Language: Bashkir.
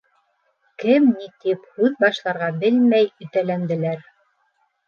Кем ни тип һүҙ башларға белмәй өтәләнделәр.